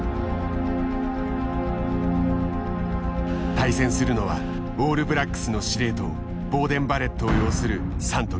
対戦するのはオールブラックスの司令塔ボーデン・バレットを擁するサントリー。